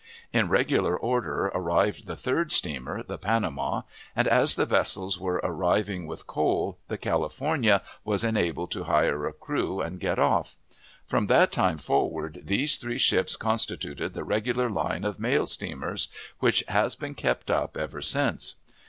In regular order arrived the third steamer, the Panama; and, as the vessels were arriving with coal, The California was enabled to hire a crew and get off. From that time forward these three ships constituted the regular line of mail steamers, which has been kept up ever since.